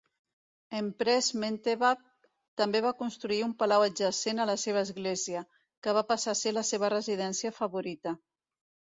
Empress Mentewab també va construir un palau adjacent a la seva església, que va passar a ser la seva residència favorita.